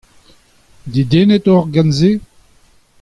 Dedennet oc'h gant se ?